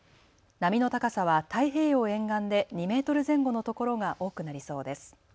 波の高さは太平洋沿岸で２メートル前後のところが多くなりそうです。